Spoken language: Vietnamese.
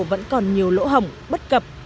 vẫn còn nhiều lỗ hỏng bất cập